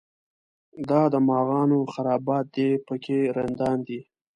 دا د مغانو خرابات دی په کې رندان دي.